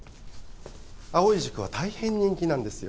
藍井塾は大変人気なんですよ。